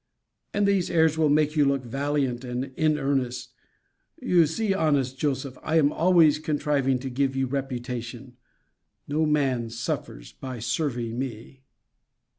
And these airs will make you look valiant, and in earnest. You see, honest Joseph, I am always contriving to give you reputation. No man suffers by serving me.